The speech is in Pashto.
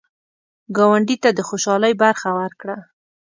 ګاونډي ته د خوشحالۍ برخه ورکړه